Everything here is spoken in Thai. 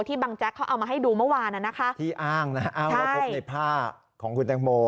ที่บางแจ๊กเขาเอามาให้ดูเมื่อวานน่ะนะคะที่อ้างนะฮะเอ้าแล้วพบในผ้าของคุณตังโม